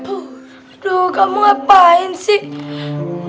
aduh kamu ngapain sih